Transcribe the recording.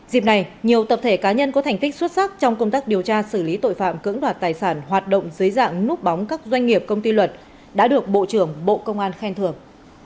dịp này nhiều tập thể cá nhân có thành tích xuất sắc trong công tác điều tra xử lý tội phạm cưỡng đoạt tài sản hoạt động dưới dạng núp bóng các doanh nghiệp công ty luật đã được bộ trưởng bộ công an khen thưởng